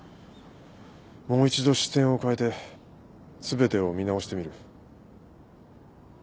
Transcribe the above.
もう一度視点を変えて全てを見直してみる。